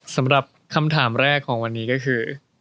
สำหรับคำถามแรกของวันนี้ก็คือ